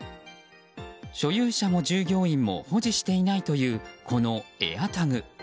所有者も従業員も保持していないというこのＡｉｒＴａｇ。